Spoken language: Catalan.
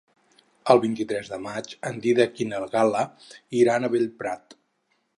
El vint-i-tres de maig en Dídac i na Gal·la iran a Bellprat.